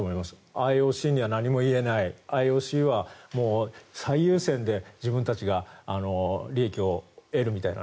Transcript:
ＩＯＣには何も言えないＩＯＣは最優先で自分たちが利益を得るみたいな。